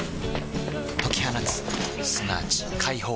解き放つすなわち解放